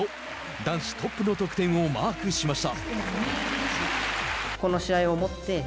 男子トップの得点をマークしました。